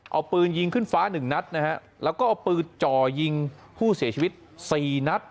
เอาปืนยิงขึ้นฟ้าหนึ่งนัดนะฮะแล้วก็เอาปืนจ่อยิงผู้เสียชีวิตสี่นัด